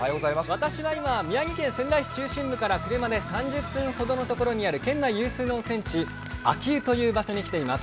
私は今、宮城県仙台市、中心部から車で３０分ほどのところにある県内有数の温泉地秋保という場所に来ています。